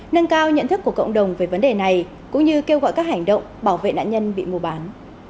nâng cao nhận thức của cộng đồng về vấn đề này cũng như kêu gọi các hành động bảo vệ nạn nhân bị mua bán